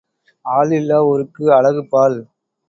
ஆள் இல்லா ஊருக்கு அழகு பாழ்.